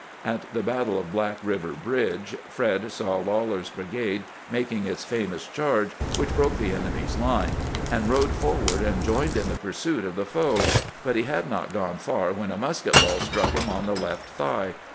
At the battle of Black River Bridge, Fred saw Lawler's brigade mak ing its famous charge which broke the enemy's line, and rode forward and joined in the pursuit of the foe ; but he had not gone far when a musket baU struck him on the left thigh.